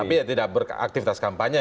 tapi tidak beraktifitas kampanye ya